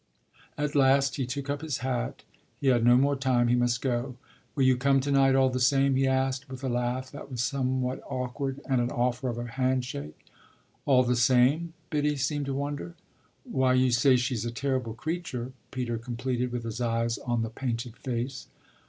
At last he took up his hat he had no more time, he must go. "Will you come to night all the same?" he asked with a laugh that was somewhat awkward and an offer of a hand shake. "All the same?" Biddy seemed to wonder. "Why you say she's a terrible creature," Peter completed with his eyes on the painted face.